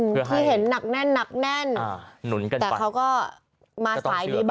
ที่เห็นนักแน่นแต่เขาก็มาสายดีบ้างเหมือนกันนะ